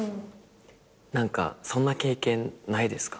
何かそんな経験ないですか？